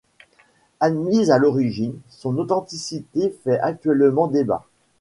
Admise à l'origine, son authenticité fait actuellement débat.